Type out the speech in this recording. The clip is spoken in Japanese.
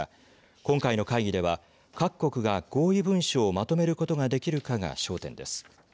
今回の会議では、各国が合意文書をまとめることができるかが焦点です。